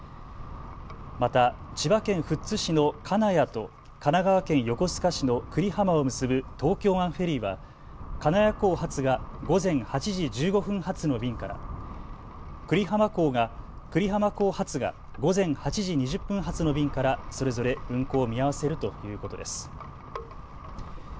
また千葉県富津市の金谷と神奈川県横須賀市の久里浜を結ぶ東京湾フェリーは金谷港発が午前８時１５分発の便から、久里浜港発が午前８時２０分発の便からそれぞれ運航を見合わせるということです。